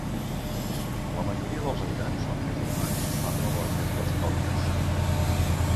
La majoria dels habitants són musulmans i parlen les llengües pròpies.